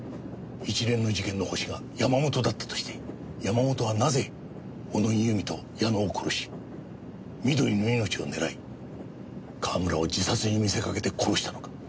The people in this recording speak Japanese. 一連の事件のホシが山本だったとして山本はなぜ小野木由美と矢野を殺し美登里の命を狙い川村を自殺に見せかけて殺したのか？